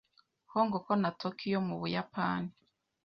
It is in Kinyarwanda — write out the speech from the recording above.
Hong Kong na Tokyo mu Buyapani